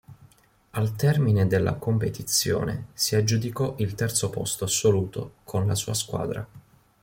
Al termine della competizione si aggiudicò il terzo posto assoluto con la sua squadra.